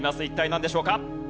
一体なんでしょうか？